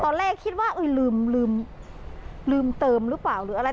ตอนแรกคิดว่าลืมลืมเติมหรือเปล่าหรืออะไร